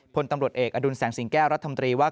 พลตำรวจเอกอดุลแสงสิงแก้วรัฐมนตรีว่า